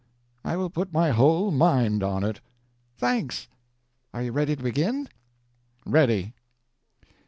I will put my whole mind on it." "Thanks. Are you ready to begin?" "Ready."